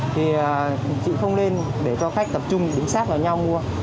thì chị không nên để cho khách tập trung đứng sát vào nhau mua